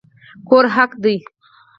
کور حق دی